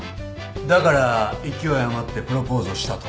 だから勢い余ってプロポーズをしたと。